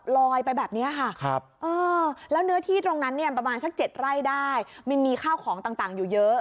ลอยไปแบบนี้ค่ะแล้วเนื้อที่ตรงนั้นเนี่ยประมาณสัก๗ไร่ได้มันมีข้าวของต่างอยู่เยอะ